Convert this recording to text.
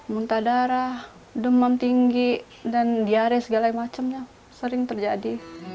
muntah darah demam tinggi dan diare segala macamnya sering terjadi